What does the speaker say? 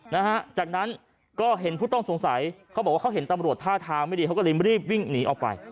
นะฮะจากนั้นก็เห็นผู้ต้องสงสัยเขาบอกว่าเขาเห็นตำรวจท่าทางไม่ดีเขาก็เลยรีบวิ่งหนีออกไป